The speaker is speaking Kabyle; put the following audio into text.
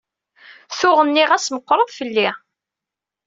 Tuɣ nniɣ-as meqqreḍ fell-i.